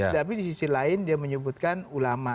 tapi di sisi lain dia menyebutkan ulama